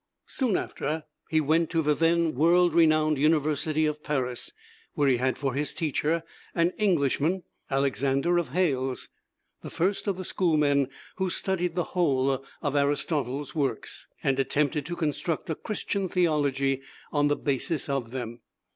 Soon after, he went to the then world renowned university of Paris, where he had for his teacher an Englishman, Alexander of Hales, the first of the schoolmen who studied the whole of Aristotle's works, and attempted to construct a Christian theology on the basis of them.